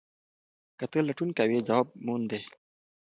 که ته لټون کوې ځواب موندې.